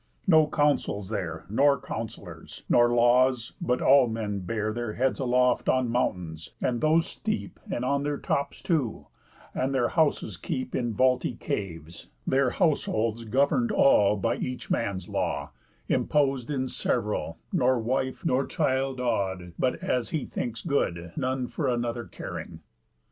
No councils there, Nor councillors, nor laws; but all men bear Their heads aloft on mountains, and those steep, And on their tops too; and their houses keep In vaulty caves, their households govern'd all By each man's law, impos'd in several, Nor wife, nor child awed, but as he thinks good, None for another caring.